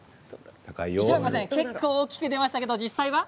結構、大きく出ましたけれども実際は？